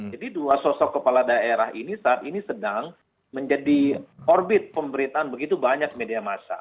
jadi dua sosok kepala daerah ini saat ini sedang menjadi orbit pemberitaan begitu banyak media massa